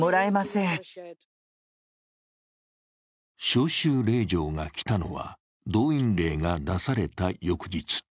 招集令状が来たのは動員令が出された翌日。